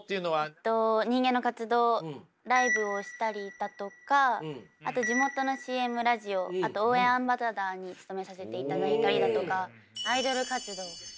えっと「人間の活動」ライブをしたりだとかあと地元のＣＭラジオあと応援アンバサダーに務めさせていただいたりだとかアイドル活動。